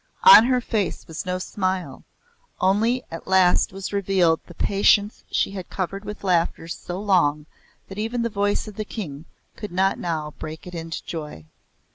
On her face was no smile only at last was revealed the patience she had covered with laughter so long that even the voice of the King could not now break it into joy.